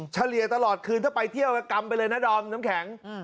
เฉลี่ยตลอดคืนถ้าไปเที่ยวก็กำไปเลยนะดอมน้ำแข็ง